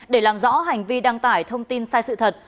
để làm rõ hành vi đăng tải thông tin sai sự thật